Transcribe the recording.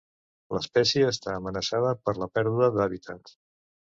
L'espècie està amenaçada per la pèrdua d'hàbitat.